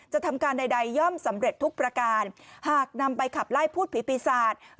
ทำการใดย่อมสำเร็จทุกประการหากนำไปขับไล่พูดผีปีศาจ